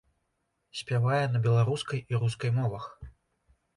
Спявае на беларускай і рускай мовах.